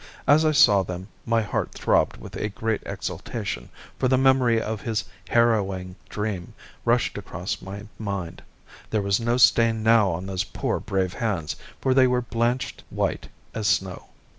As I saw them my heart throbbed with a great exultation, for the memory of his harrowing dream rushed across my mind. There was no stain now on those poor, brave hands, for they were blanched white as snow.